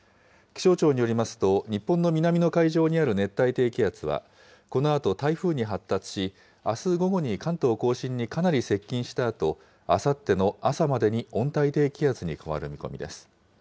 気象庁によりますと、日本の南の海上にある熱帯低気圧は、このあと台風に発達し、あす午後に関東甲信にかなり接近したあと、あさっての朝までに温帯低気圧に変わる見込みです。